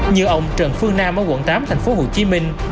như ông trần phương nam ở quận tám thành phố hồ chí minh